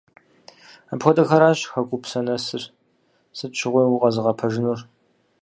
Апхуэдэхэращ хэкупсэ нэсыр, сыт щыгъуи укъэзыгъэпэжынур.